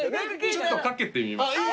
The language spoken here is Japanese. ちょっとかけてみますか。